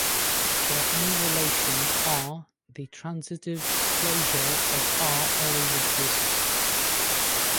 For any relation "R", the transitive closure of "R" always exists.